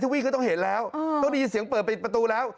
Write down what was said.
วิ่งก็ต้องเห็นแล้วต้องได้ยินเสียงเปิดปิดประตูแล้ว